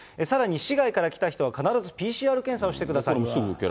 さらに市外から来た人は、必ずＰＣＲ検査をしています。